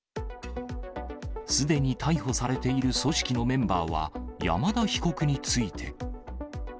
すでに逮捕されている組織のメンバーは、山田被告について。